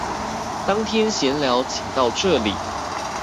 當天閒聊請到這裡